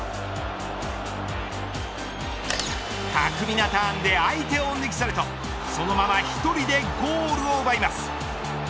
巧みなターンで相手を抜き去るとそのまま１人でゴールを奪います。